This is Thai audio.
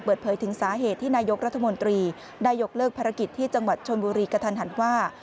เปิดเผยถึงสาเหตุที่นายกรัฐมนตรีได้ยกเลิกภารกิจที่จังหวัดชนบุรีกระทันหันว่า